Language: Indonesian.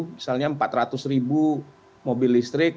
misalnya empat ratus ribu mobil listrik